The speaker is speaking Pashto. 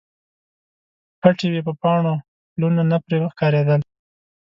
پټې وې په پاڼو، پلونه نه پرې ښکاریدل